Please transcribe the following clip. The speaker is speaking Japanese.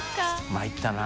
まいったな。